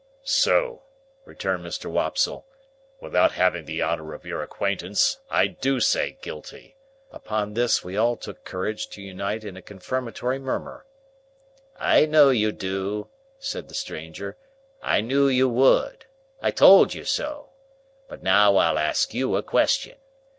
"Sir," returned Mr. Wopsle, "without having the honour of your acquaintance, I do say Guilty." Upon this we all took courage to unite in a confirmatory murmur. "I know you do," said the stranger; "I knew you would. I told you so. But now I'll ask you a question.